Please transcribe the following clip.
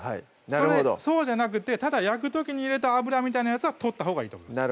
そうじゃなくてただ焼く時に入れた油みたいなやつは取ったほうがいいと思います